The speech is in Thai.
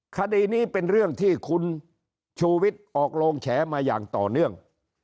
คดีนี้เป็นเรื่องที่คุณชูวิทย์ออกโรงแฉมาอย่างต่อเนื่อง